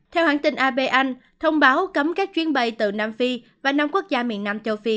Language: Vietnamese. theo hãng tin ap anh thông báo cấm các chuyến bay từ nam phi và năm quốc gia miền nam châu phi